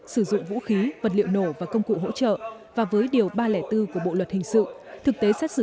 sử dụng vũ khí vật liệu nổ và công cụ hỗ trợ và với điều ba trăm linh bốn của bộ luật hình sự thực tế xét xử